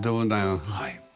はい。